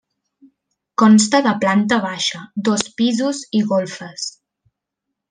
Consta de plata baixa, dos pisos, i golfes.